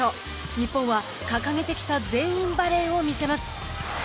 日本は掲げてきた全員バレーを見せます。